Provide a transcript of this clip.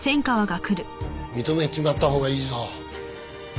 認めちまったほうがいいぞ。